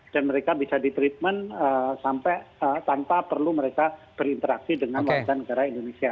dan mereka bisa di treatment sampai tanpa perlu mereka berinteraksi dengan warga negara indonesia